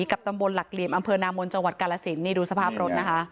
กับตำบลหลักเหลี่ยมอำเภอนามนจังหวัดกาลสินนี่ดูสภาพรถนะคะ